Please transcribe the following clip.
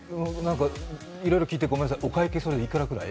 いろいろ聞いてごめんなさい、お会計どのくらい？